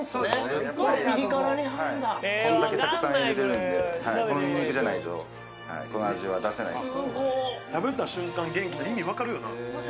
これだけたくさん入れているんで、このにんにくじゃないと、この味は出せないです。